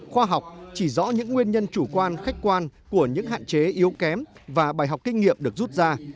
khoa học chỉ rõ những nguyên nhân chủ quan khách quan của những hạn chế yếu kém và bài học kinh nghiệm được rút ra